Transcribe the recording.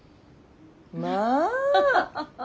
まあ。